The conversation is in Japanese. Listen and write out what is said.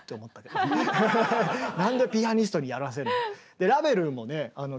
何でピアニストにやらせるの。